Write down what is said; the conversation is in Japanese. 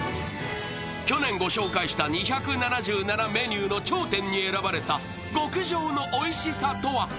去年ご紹介した２７７メニューの頂点に選ばれた極上のおいしさとは？